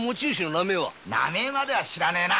名前までは知らねえな。